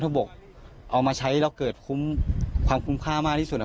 ระบบเอามาใช้แล้วเกิดคุ้มความคุ้มค่ามากที่สุดอ่ะ